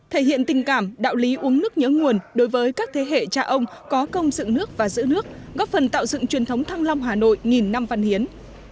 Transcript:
thể hiện tình cảm đạo lý uống nước nhớ nguồn đối với các thế hệ cha ông có công dựng nước và giữ nước góp phần tạo dựng truyền thống thăng long hà nội nghìn năm văn hiến